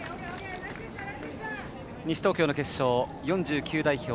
西東京の決勝４９代表